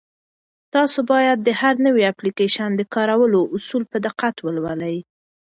تاسو باید د هر نوي اپلیکیشن د کارولو اصول په دقت ولولئ.